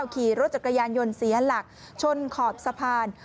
ขี่รถจักรยานยนต์เสียหลักชนขอบสะพาน